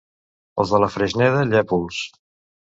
Els de la Freixneda, llépols.